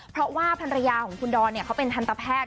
เพราะว่าภรรยาของคุณดอนเขาเป็นทันตแพทย์